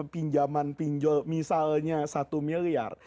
pinjaman pinjol misalnya satu miliar